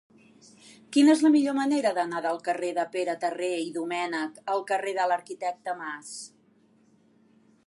Quina és la millor manera d'anar del carrer de Pere Terré i Domènech al carrer de l'Arquitecte Mas?